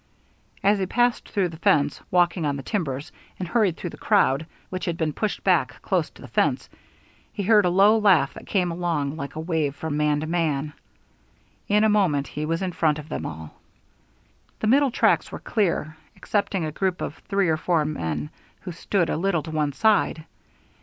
As he passed through the fence, walking on the timbers, and hurried through the crowd, which had been pushed back close to the fence, he heard a low laugh that came along like a wave from man to man. In a moment he was in front of them all. The middle tracks were clear, excepting a group of three or four men, who stood a little to one side.